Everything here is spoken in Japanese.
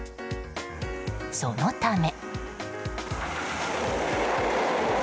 そのため。